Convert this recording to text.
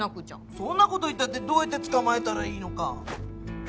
そんな事言ったってどうやってつかまえたらいいのか。